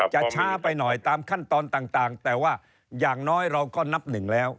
ช้าไปหน่อยตามขั้นตอนต่างแต่ว่าอย่างน้อยเราก็นับหนึ่งแล้ว